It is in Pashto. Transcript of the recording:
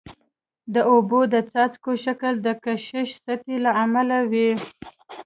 د اوبو د څاڅکو شکل د کشش سطحي له امله وي.